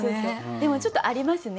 でもちょっとありますね。